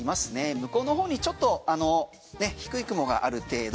向こうの方にちょっと低い雲がある程度。